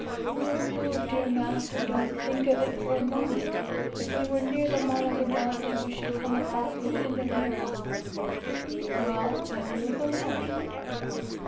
"No, no, dear master, don't think of it for a moment. If we went neat the Malagarazi we should come across Lokanda Mira." "Well, then, we will go north."